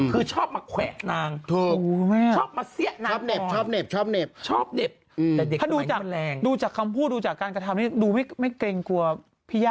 คือชอบมาแหงเธอกฏนางถูกบูมรึไม่ชอบมาเหลี้ย